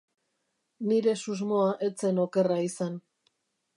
Nire susmoa ez zen okerra izan.